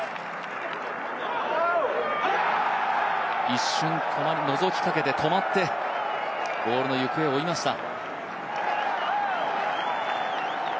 一瞬、球をのぞきかけて止まって、ボールの行方を追いました。